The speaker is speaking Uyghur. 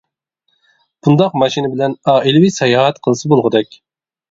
بۇنداق ماشىنا بىلەن ئائىلىۋى ساياھەت قىلسا بولغۇدەك!